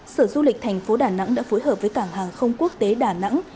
sở du lịch thành phố đà nẵng đã phối hợp với cảng hàng không quốc tế đà nẵng